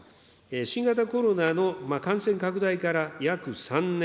新型コロナの感染拡大から約３年。